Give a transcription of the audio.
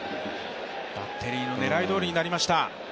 バッテリーの狙いどおりになりました。